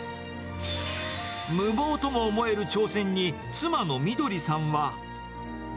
無謀とも思える挑戦に妻のみどりさんは。